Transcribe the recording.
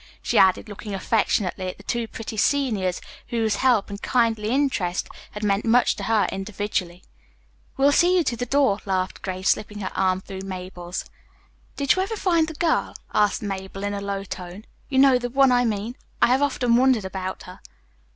she added, looking affectionately at the two pretty seniors, whose help and kindly interest had meant much to her individually. "We will see you to the door," laughed Grace, slipping her arm through Mabel's. "Did you ever find the girl?" asked Mabel in a low tone. "You know the one I mean. I have often wondered about her."